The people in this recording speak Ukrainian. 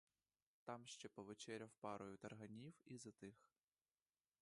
Там ще повечеряв парою тарганів і затих.